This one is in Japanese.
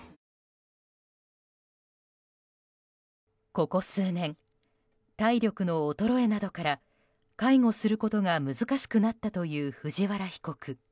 ここ数年、体力の衰えなどから介護することが難しくなったという藤原被告。